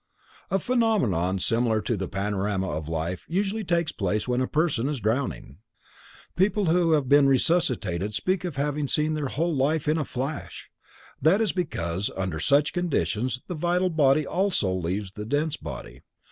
A phenomenon similar to the panorama of life usually takes place when a person is drowning. People who have been resuscitated speak of having seen their whole life in a flash. That is because under such conditions the vital body also leaves the dense body.